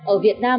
ở việt nam